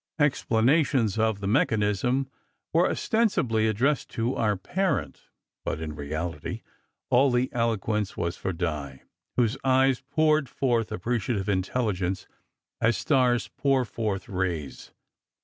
Explanations of the mechanism were ostensibly addressed to our parent, but in reality all the eloquence was for Di, whose eyes poured forth appreciative intelligence as stars pour forth rays.